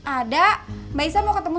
ada mbak isah mau ketemu sama pak